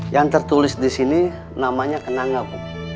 yang tertulis disini namanya kenangapu